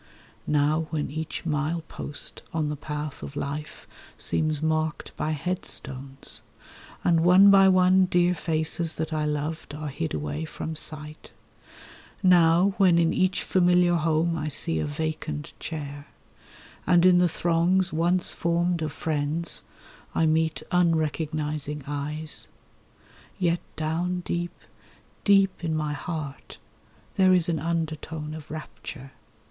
Now when each mile post on the path of life seems marked by headstones, And one by one dear faces that I loved are hid away from sight; Now when in each familiar home I see a vacant chair, And in the throngs once formed of friends I meet unrecognising eyes— Yet down deep, deep in my heart there is an undertone of rapture.